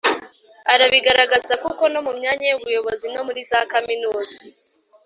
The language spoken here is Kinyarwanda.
arabigaragaza kuko no mu myanya y’ubuyobozi no muri za kaminuza,